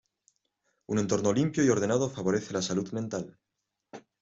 Un entorno limpio y ordenado favorece la salud mental.